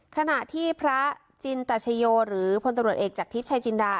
ขณะที่พระจินตชโยหรือพลตำรวจเอกจากทิพย์ชายจินดา